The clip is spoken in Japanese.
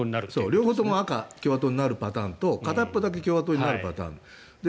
両方とも赤共和党になるパターンと片方だけ共和党になるパターン